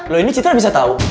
lo ini citra bisa tau